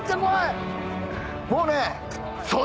もうね。